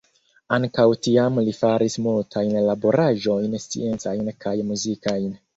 Ankaŭ tiam li faris multajn laboraĵojn sciencajn kaj muzikajn.